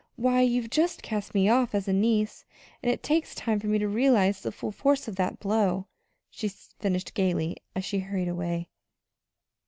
Why, you've just cast me off as a niece, and it takes time for me to realize the full force of that blow," she finished gayly, as she hurried away.